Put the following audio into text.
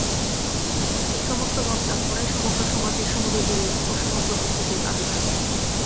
এই সমত্বভাব লাভ করাই সমগ্র সমাজের, সমুদয় জীবের ও সমগ্র প্রকৃতির আদর্শ।